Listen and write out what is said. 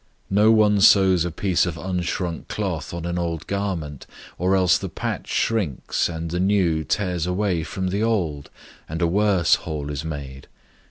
002:021 No one sews a piece of unshrunk cloth on an old garment, or else the patch shrinks and the new tears away from the old, and a worse hole is made.